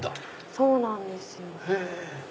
そうなんですよ。